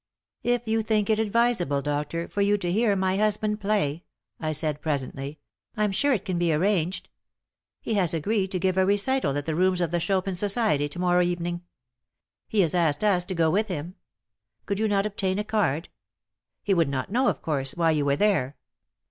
"If you think it advisable, doctor, for you to hear my husband play," I said, presently, "I'm sure it can be arranged. He has agreed to give a recital at the rooms of the Chopin Society to morrow evening. He has asked us to go with him. Could you not obtain a card? He would not know, of course, why you were there."